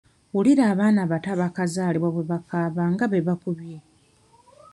Wulira abaana abato abaakazalibwa bwe bakaaba nga be bakubye.